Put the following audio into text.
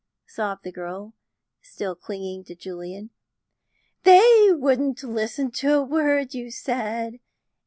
sobbed the girl, still clinging to Julian. "They wouldn't listen to a word you said.